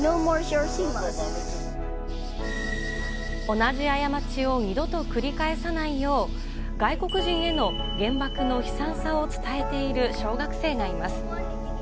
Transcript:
同じ過ちを二度と繰り返さないよう、外国人への原爆の悲惨さを伝えている小学生がいます。